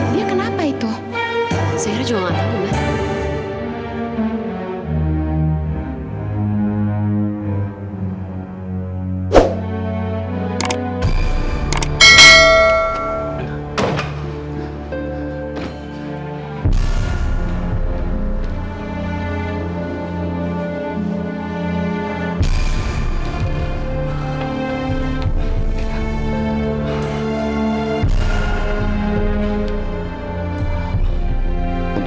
dia kenapa itu